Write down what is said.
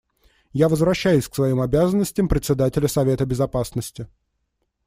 Я возвращаюсь к своим обязанностям Председателя Совета Безопасности.